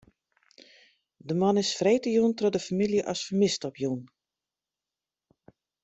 De man is freedtejûn troch de famylje as fermist opjûn.